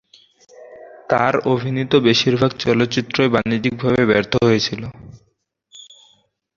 তাঁর অভিনীত বেশিরভাগ চলচ্চিত্রই বাণিজ্যিকভাবে ব্যর্থ হয়েছিল।